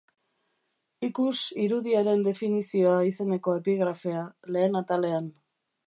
Ikus Irudiaren definizioa izeneko epigrafea, lehen atalean.